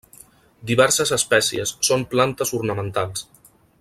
Diverses espècies són plantes ornamentals.